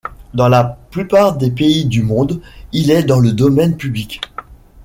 Dans la plupart des pays du monde, il est dans le domaine public.